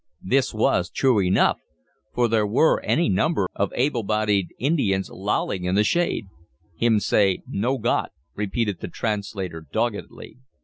This was true enough, for there were any number of able bodied Indians lolling in the shade. "Him say him no got," repeated the translator, doggedly.